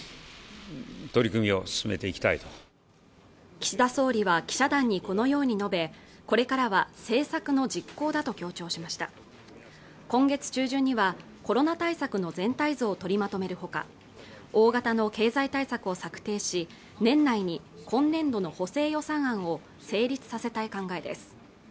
岸田総理は記者団にこのように述べこれからは政策の実行だと強調しました今月中旬にはコロナ対策の全体像を取りまとめるほか大型の経済対策を策定し年内に今年度の補正予算案を成立させたい考えです